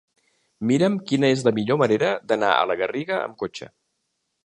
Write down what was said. Mira'm quina és la millor manera d'anar a la Garriga amb cotxe.